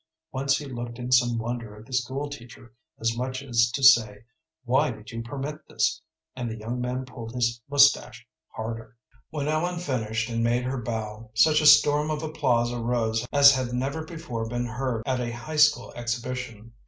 Once he looked in some wonder at the school teacher as much as to say, "Why did you permit this?" and the young man pulled his mustache harder. When Ellen finished and made her bow, such a storm of applause arose as had never before been heard at a high school exhibition.